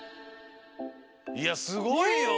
いやすごいよ！